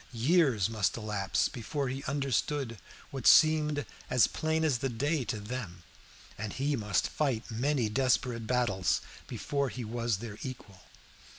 Years must elapse before he understood what seemed as plain as the day to them, and he must fight many desperate battles before he was their equal.